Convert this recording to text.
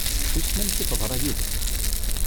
Wissen amek i teḍra yid-s?